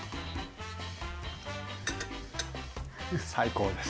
最高です。